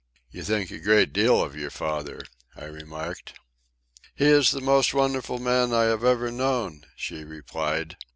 "You think a great deal of your father," I remarked. "He is the most wonderful man I have ever known," she replied.